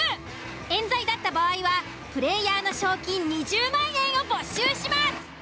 冤罪だった場合はプレイヤーの賞金２０万円を没収します。